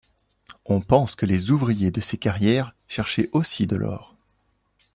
On pense que les ouvriers de ces carrières cherchaient aussi de l'or.